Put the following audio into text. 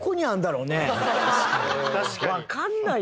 わかんないよね。